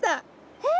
えっ？